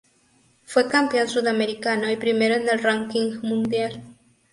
Fue campeón sudamericano y primero en el ranking mundial.